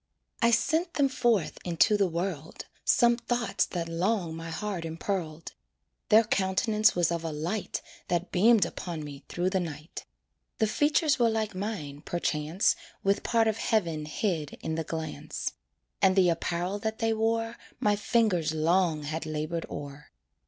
I sent them forth into the world, Some thoughts that long my heart impearled. Their countenance was of a light That beamed upon me through the night. The features were like mine, perchance, With part of heaven hid in the glance; And the apparel that they wore My fingers long had labored o'er.